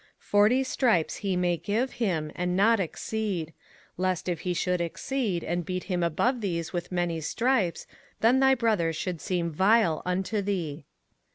05:025:003 Forty stripes he may give him, and not exceed: lest, if he should exceed, and beat him above these with many stripes, then thy brother should seem vile unto thee.